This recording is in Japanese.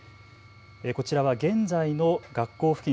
こちらは現在の学校付近